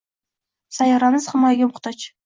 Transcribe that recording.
Sayyoramiz himoyaga muhtoj.